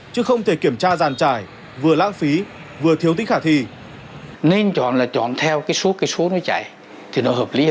chứ không thể kiểm tra dàn trải vừa lãng phí vừa thiếu tích khả thi